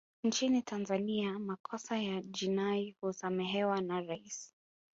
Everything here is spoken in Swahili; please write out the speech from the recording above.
nchini tanzania makosa ya jinai husamehewa na rais